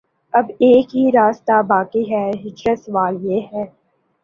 اب ایک ہی راستہ باقی ہے: ہجرت سوال یہ ہے